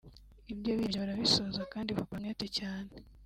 ibyo biyemeje barabisoza kandi bakorana umwete cyane